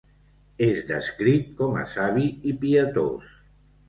És descrit com a savi i pietós.